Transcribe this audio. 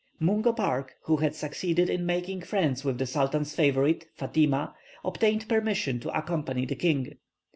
Mungo Park, who had succeeded in making friends with the sultan's favourite, Fatima, obtained permission to accompany the king.